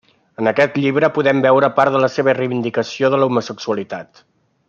En aquest llibre podem veure part de la seva reivindicació de l'homosexualitat.